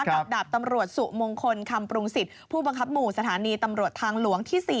กับดาบตำรวจสุมงคลคำปรุงสิทธิ์ผู้บังคับหมู่สถานีตำรวจทางหลวงที่๔